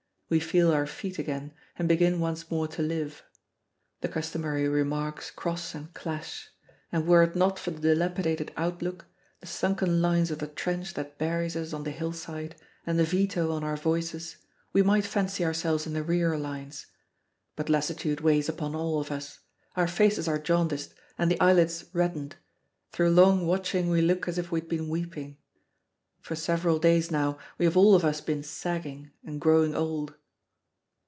We feel our feet again, and begin once more to live. The customary remarks cross and clash; and were it not for the dilapidated outlook, the sunken lines of the trench that buries us on the hillside, and the veto on our voices, we might fancy ourselves in the rear lines. But lassitude weighs upon all of us, our faces are jaundiced and the eyelids reddened; through long watching we look as if we had been weeping. For several days now we have all of us been sagging and growing old.